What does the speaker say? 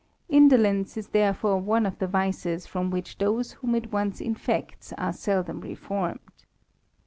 Indolence is therefore one of the vices from which those whom it once infects are seldom reformed.